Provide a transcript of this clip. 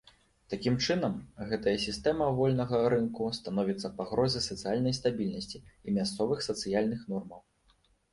Такім чынам, гэтая сістэма вольнага рынку становіцца пагрозай сацыяльнай стабільнасці і мясцовых сацыяльных нормаў.